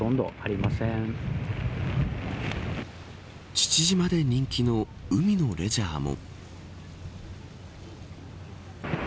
父島で人気の海のレジャーも。